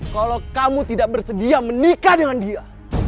kalau kamu tidak bersedia menikah dengan dia